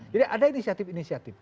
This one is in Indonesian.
jadi ada inisiatif inisiatif